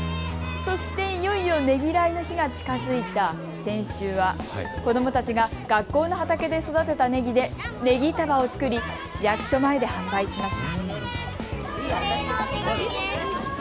そしていよいよねぎらいの日が近づいた先週は、子どもたちが学校の畑で育てたねぎでねぎ束を作り市役所前で販売しました。